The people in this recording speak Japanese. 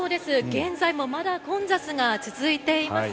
現在もまだ混雑が続いています。